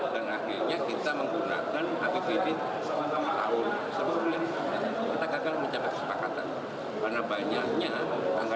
dan anggaran itu bisa terpaksa sekarang sehingga tidak ada lagi keluaran pemerintah pdi